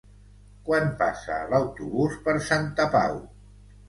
Quan passa l'autobús per Santa Pau?